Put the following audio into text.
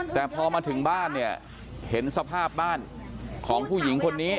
แต่พอมาถึงบ้านเนี่ยเห็นสภาพบ้านของผู้หญิงคนนี้